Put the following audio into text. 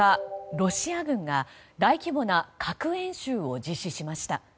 ロシア軍が大規模な核演習を実施しました。